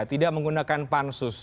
tidak menggunakan pansus